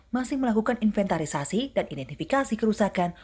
masih melakukan inventarisasi dan identifikasi kerusakan